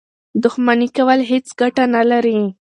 دښمني کول هېڅ ګټه نه لري.